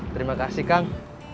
terima kasih kang